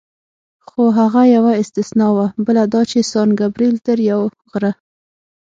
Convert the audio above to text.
خو هغه یوه استثنا وه، بله دا چې سان ګبرېل تر یو غره.